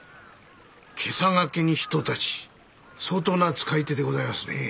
袈裟懸けに一太刀相当な使い手でございますねぇ。